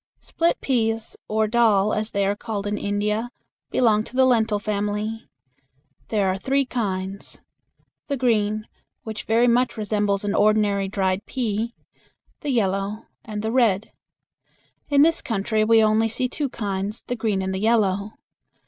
Split peas, or "dal," as they are called in India, belong to the lentil family. There are three kinds the green, which very much resembles an ordinary dried pea; the yellow, and the red. In this country we only see two kinds the green and the yellow.